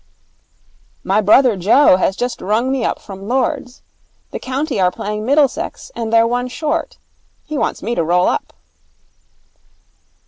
'My brother Joe has just rung me up from Lords. The county are playing Middlesex and they're one short. He wants me to roll up.'